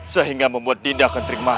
sehingga membuat dinda akan terikmati